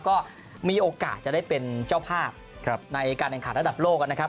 ก็มีโอกาสจะได้เป็นเจ้าภาพในการแข่งขันระดับโลกนะครับ